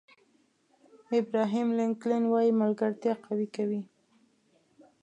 ابراهیم لینکلن وایي ملګرتیا قوي کوي.